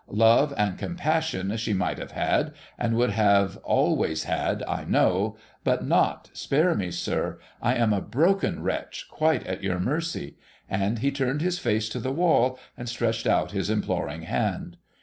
I>ove and compassion she might have had, and would have always had, I know, but not — Spare me, sir ! I am a broken wretch, quite at your mercy !' And he turned his face to the wall, and stretched out his imploring hand.